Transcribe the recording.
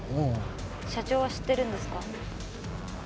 社長は知ってるんですか？